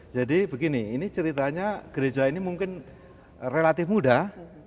jadi begini ini ceritanya gereja ini mungkin relatif mudah